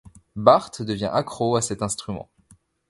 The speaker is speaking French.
Bart devient accro à cet instrument.